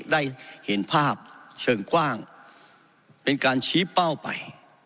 ได้เห็นภาพเชิงกว้างเป็นการชี้เป้าไป